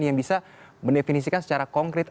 yang bisa mendefinisikan secara konkret